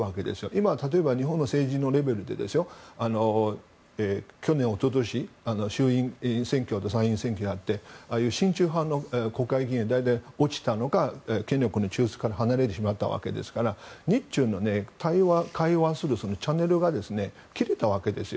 今、例えば日本の政治のレベルで去年、一昨年と衆院選挙と参院選挙をやってああいう親中派の国会議員は大体落ちたのが権力の中枢から離れてしまったわけですから日中の対話・会話するチャンネルが切れたわけです。